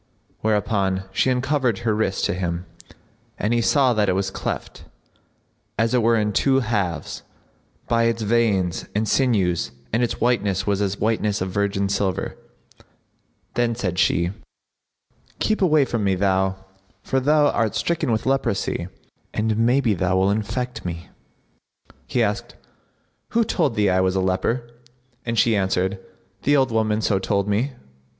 Whereupon she uncovered her wrist[FN#60] to him, and he saw that it was cleft, as it were in two halves, by its veins and sinews and its whiteness was as the whiteness of virgin silver. Then said she, "Keep away from me, thou! for thou art stricken with leprosy, and maybe thou wilt infect me." He asked, "Who told thee I was a leper?" and she answered, "The old woman so told me."